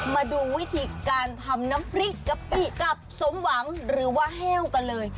มาดูวิธีการทำน้ำพริกกะปิกับสมหวังหรือว่าแห้วกันเลย